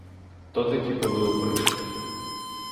То такі були опришки.